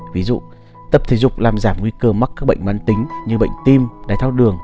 ví dụ tập thể dục làm giảm nguy cơ mắc các bệnh mán tính như bệnh tim đáy thao đường